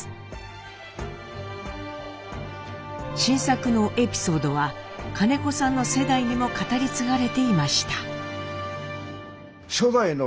新作のエピソードは金子さんの世代にも語り継がれていました。